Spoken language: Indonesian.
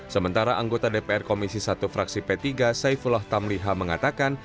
sementara anggota dpr komisi satu fraksi p tiga saifullah tamliha mengatakan